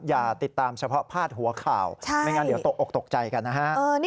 อย่าติดตามเฉพาะพาดหัวข่าวไม่งั้นเดี๋ยวตกออกตกใจกันนะฮะ